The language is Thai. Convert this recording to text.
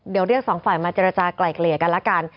เดี๋ยวเรียกสองฝ่ายมาเจรจากลายเกลี่ยกันละกัน